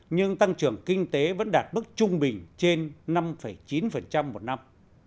nhưng tăng trưởng kinh tế vẫn đạt mức trung bình trên năm chín một năm